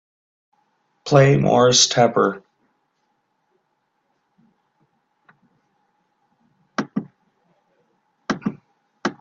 Play Moris Tepper